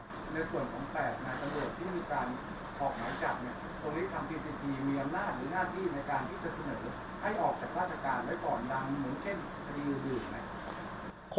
ในส่วนของแปดมาตำรวจที่มีการออกไม้จับเนี่ยตรงนี้ทำที่สิทธิมีอำนาจหรือหน้าที่ในการที่จะเสนอให้ออกจากราชการไว้ก่อนดังเหมือนเช่นคดีอยู่ดื่มไหมครับ